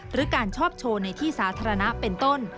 หรือการชอบโชว์ในที่สาธารณะเป็นต้น